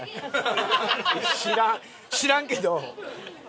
知らん知らんけど。